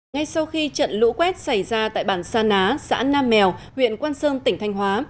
ngay sau khi trận lũ quét xảy ra tại bản sa ná xã nam mèo huyện quang sơn tỉnh thanh hóa